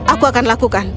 aku akan lakukan